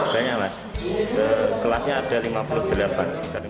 banyak mas kelasnya ada lima puluh delapan sih